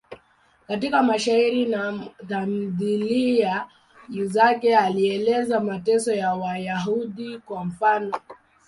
Katika mashairi na tamthiliya zake alieleza mateso ya Wayahudi, kwa mfano.